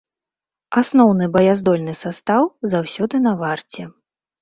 Асноўны баяздольны састаў заўсёды на варце.